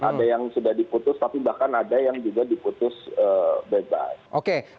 ada yang sudah diputus tapi bahkan ada yang juga diputus bebas